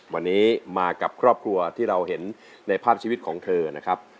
วันนี้มากับครอบครัวที่เราเห็นในภาพชีวิตของเธอนะครับ